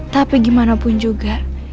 tapi gimana pun juga